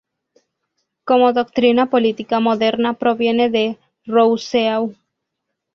Como doctrina política moderna, proviene de Rousseau.